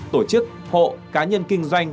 tổ chức hộ cá nhân kinh doanh